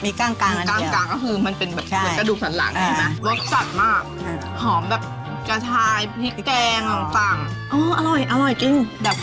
มีกล้างกลางอันเดียวใช่